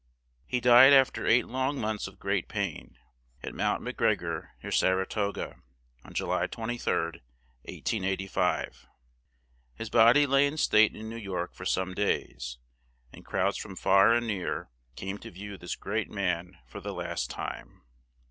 He died after eight long months of great pain, at Mt. Mc Greg or, near Sar a to ga, on July 23d, 1885; his bod y lay in state in New York for some days, and crowds from far and near came to view this great man for the last time.